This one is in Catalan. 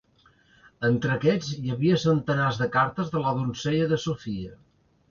Entre aquests, hi havia centenars de cartes de la donzella de Sophia.